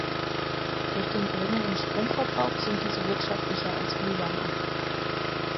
Durch den geringeren Stromverbrauch sind diese wirtschaftlicher als Glühlampen.